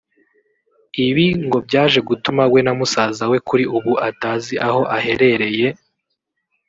Ibi ngo byaje gutuma we na musaza we kuri ubu atazi aho aherereye